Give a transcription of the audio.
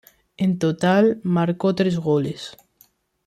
En total marcó tres goles